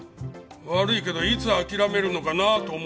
悪いけどいつ諦めるのかなあと思ってた。